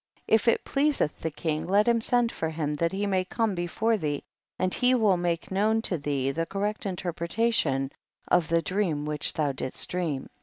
38. If it pleaseth the king let him send for him that he may come be fore thee and he will make known to thee, the correct interpretation of the dream which thou didst dream.